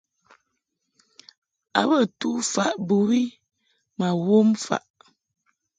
A bə tu faʼ bɨwi ma wom faʼ.